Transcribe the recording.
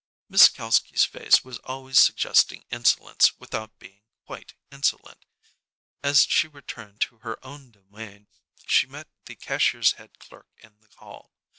Miss Kalski's face was always suggesting insolence without being quite insolent. As she returned to her own domain she met the cashier's head clerk in the hall.